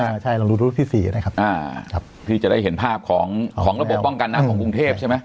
ไม่ใช่ลองดูรูปที่สี่นะครับอ่าครับพี่จะได้เห็นภาพของของระบบป้องกันน้ำของกรุงเทพใช่ไหม